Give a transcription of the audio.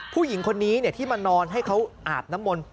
ผู้หญิงคนนี้ที่มานอนให้เขาอาบน้ำมนต์